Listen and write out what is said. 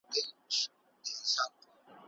د نفوسو وده د تیر کال په پرتله کمه سوې وه.